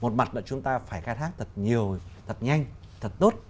một mặt là chúng ta phải khai thác thật nhiều thật nhanh thật tốt